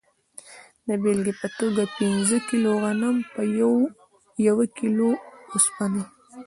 د بیلګې په توګه پنځه کیلو غنم په یوه کیلو اوسپنه.